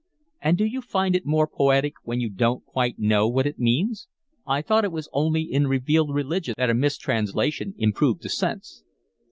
"And do you find it more poetic when you don't quite know what it means? I thought it was only in revealed religion that a mistranslation improved the sense."